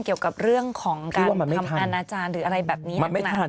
เกี่ยวกับเรื่องของการทำอนาจารย์หรืออะไรแบบนี้หนัก